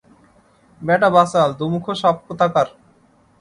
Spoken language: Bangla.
ব্যাটা বাচাল দুমুখো সাপ কোথাকার!